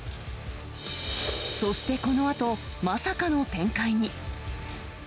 そしてこのあと、まさかの展開に。